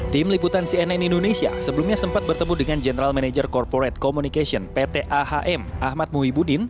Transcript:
tim liputan cnn indonesia sebelumnya sempat bertemu dengan general manager corporate communication pt ahm ahmad muhyibudin